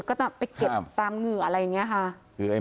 ก็ต้องไปเก็บตามเหงื่ออะไรอย่างนี้ค่ะ